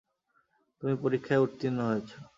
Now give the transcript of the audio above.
তুমি পরীক্ষায় উত্তীর্ণ হয়েছ।